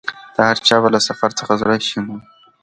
د هرچا به له سفر څخه زړه شین وو